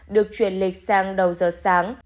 được chuyển lịch sang đầu giờ sáng